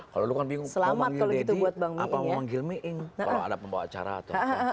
kalau lu kan bingung mau manggil deddy apa memanggil miing kalau ada pembawa acara atau apa